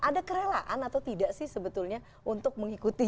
ada kerelaan atau tidak sih sebetulnya untuk mengikuti